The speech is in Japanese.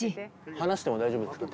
離しても大丈夫ですか？